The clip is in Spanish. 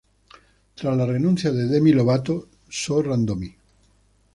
Tras la renuncia de Demi Lovato, So Random!